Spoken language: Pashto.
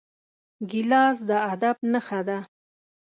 ګیلاس د ادب نښه ده.